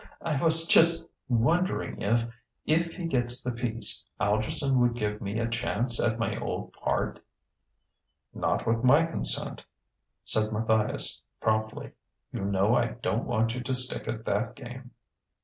"I was just wondering if if he gets the piece Algerson would give me a chance at my old part?" "Not with my consent," said Matthias promptly. "You know I don't want you to stick at that game."